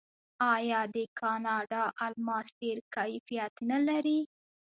آیا د کاناډا الماس ډیر کیفیت نلري؟